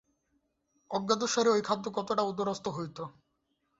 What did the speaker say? অজ্ঞাতসারে ঐ খাদ্য কতকটা উদরস্থ হইত।